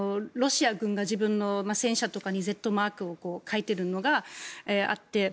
ロシア軍が自分の戦車とかにＺマークを描いているのがあって。